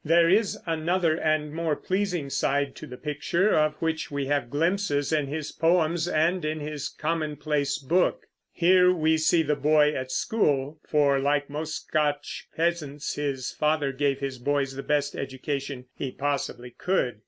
There is another and more pleasing side to the picture, of which we have glimpses in his poems and in his Common place Book. Here we see the boy at school; for like most Scotch peasants, the father gave his boys the best education he possibly could.